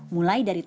mulai dari teluk